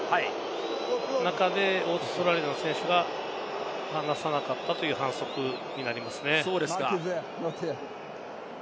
その中でオーストラリアの選手は離さなかったという反則になりますね。